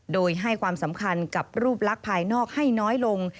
โดยให้ความสำคัญกับรูปลักษณ์ภายนอกให้น้อยลง